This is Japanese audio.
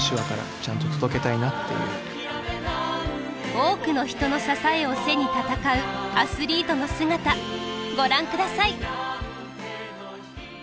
多くの人の支えを背に闘うアスリートの姿ご覧下さい。